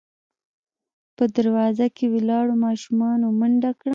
په دروازه کې ولاړو ماشومانو منډه کړه.